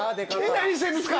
何してるんですか！